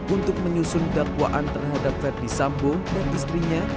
untuk menyusun dakwaan terhadap ferdy sambung dan istrinya